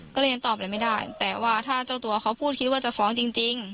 ก็เลยยังตอบอะไรไม่ได้แต่ว่าถ้าเจ้าตัวเขาพูดคิดว่าจะฟ้องจริง